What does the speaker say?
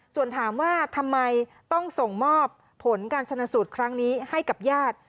ส่วนถามว่าทำไมต้องส่งมอบผลการชนะสูตรครั้งนี้ให้กับญาติ